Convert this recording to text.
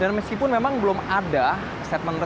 dan meskipun memang belum ada stasiun mrt fatmawati